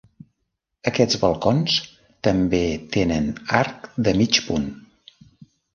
Aquests balcons també tenen arc de mig punt.